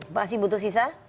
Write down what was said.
masih butuh sisa